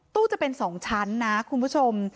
ตู้จะเป็น๒ชั้นนะคุณผู้ชม